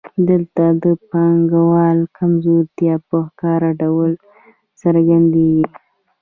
دلته د پانګوال کمزورتیا په ښکاره ډول څرګندېږي